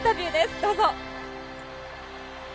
どうぞ。